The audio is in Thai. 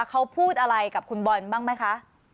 เขาพูดอะไรกับคุณบอลบ้างไหมคะ